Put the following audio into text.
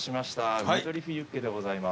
ウニトリュフユッケでございます。